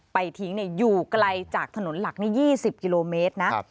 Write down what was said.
ไปทิ้งอยู่ไกลจากถนนหลัก๒๐กิโลเมตรนะ